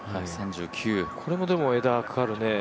これも枝がかかるね。